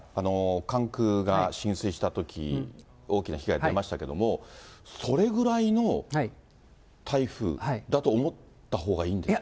関空が浸水したとき、大きな被害出ましたけども、それぐらいの台風だと思ったほうがいいんですか。